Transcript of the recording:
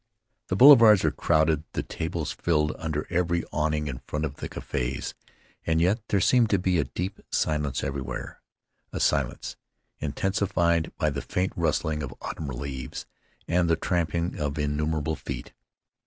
The boulevards were crowded, the tables filled under every awning in front of the cafes; and yet there seemed to be a deep silence everywhere, a silence intensified by the faint rustling of autumn leaves and the tramping of innumerable feet.